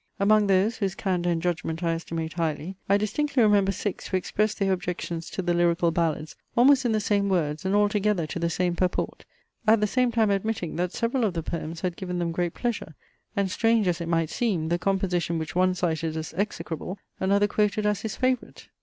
Among those, whose candour and judgment I estimate highly, I distinctly remember six who expressed their objections to the Lyrical Ballads almost in the same words, and altogether to the same purport, at the same time admitting, that several of the poems had given them great pleasure; and, strange as it might seem, the composition which one cited as execrable, another quoted as his favourite.